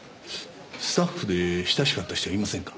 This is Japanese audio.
スタッフで親しかった人はいませんか？